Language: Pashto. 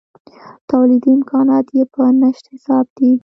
تولیدي امکانات یې په نشت حساب دي.